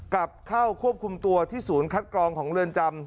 กลับเข้าควบคุมตัวที่ศูนย์คัดกรองของเรือนจำ